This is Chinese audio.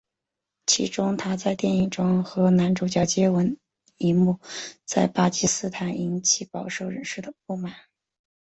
其中她在电影中和男主角的接吻一幕在巴基斯坦引起保守人士的不满。